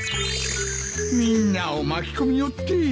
みんなを巻き込みおって。